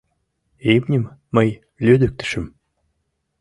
Имньым мый лӱдыктышым...